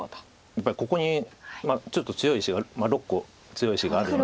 やっぱりここにちょっと強い石が６個強い石があるので。